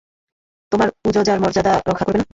তোমরা উযযার মর্যাদা রক্ষা করবে না?